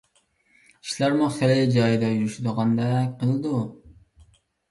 ئىشلارمۇ خېلى جايىدا يۈرۈشىدىغاندەك قىلىدۇ.